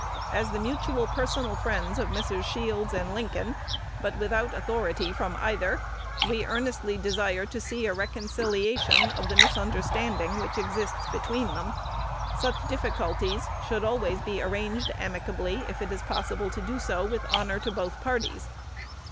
As the mutual personal friends of Messrs. Shields and Lincoln, but without authority from either, we earnestly desire to see a reconciliation of the misunderstanding which exists between them. Such difficulties should always be arranged amicably, if it is possible to do so with honor to both parties.